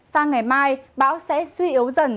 sang ngày mai bão sẽ suy yếu dần